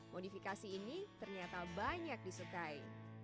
modifikasi ini ternyata banyak disukai